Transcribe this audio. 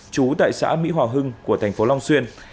chú tại xã mỹ hòa hưng thành phố long xuyên